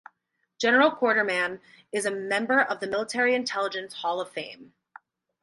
General Corderman is a member of the Military Intelligence Hall of Fame.